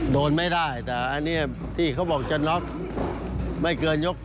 โดนไม่ได้แต่อันนี้ที่เขาบอกจะน็อกไม่เกินยก๖